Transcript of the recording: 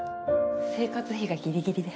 生活費がギリギリで。